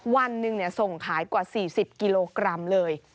วันหนึ่งส่งขายกว่า๔๐กิโลกรัมเลย